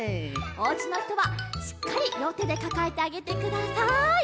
おうちのひとはしっかりりょうてでかかえてあげてください。